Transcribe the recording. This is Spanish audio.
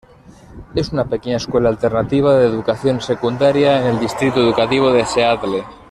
Es una pequeña escuela alternativa de educación secundaria en en Distrito Educativo de Seattle.